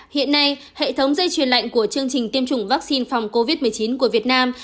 hiện nay hệ thống dây truyền lạnh của chương trình tiêm chủng vaccine phòng covid một mươi chín của việt nam